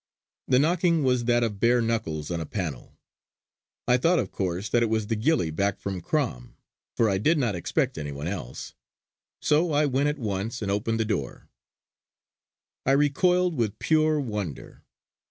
The knocking was that of bare knuckles on a panel. I thought of course that it was the gillie back from Crom, for I did not expect any one else; so I went at once and opened the door. I recoiled with pure wonder.